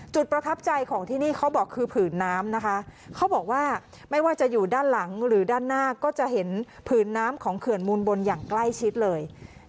ประทับใจของที่นี่เขาบอกคือผืนน้ำนะคะเขาบอกว่าไม่ว่าจะอยู่ด้านหลังหรือด้านหน้าก็จะเห็นผืนน้ำของเขื่อนมูลบนอย่างใกล้ชิดเลย